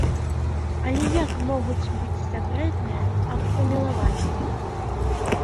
Але як могуць быць сакрэтныя аб памілаванні?